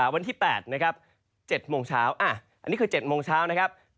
วันที่๘นะครับ๗โมงเช้าอันนี้คือ๗โมงเช้านะครับ